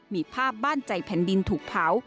มีภาพบ้านใจแผ่นดินถูกเผา